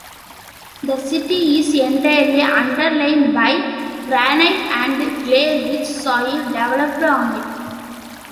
The city is entirely underlain by granite, and clay-rich soil developed on it.